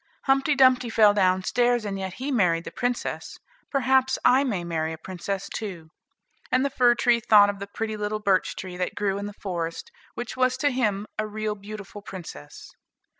Humpty Dumpty fell down stairs, and yet he married the princess; perhaps I may marry a princess too." And the fir tree thought of the pretty little birch tree that grew in the forest, which was to him a real beautiful princess.